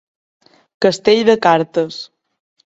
Castell de cartes.